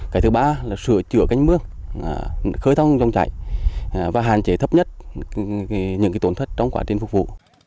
và thứ ba là sửa chữa cánh mương khơi thong trong chạy và hàn chế thấp nhất những tổn thất trong quá trình phục vụ